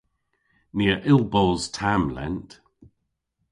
Ni a yll bos tamm lent.